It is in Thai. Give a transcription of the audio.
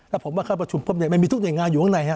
แล้วผมว่าเข้าประชุมปุ๊บมันมีทุกหน่วยงานอยู่ข้างในฮะ